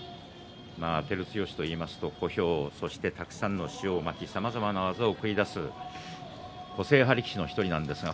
照強といいますと、小兵そして、たくさんの塩まきさまざまな技を繰り出す個性派力士の１人です。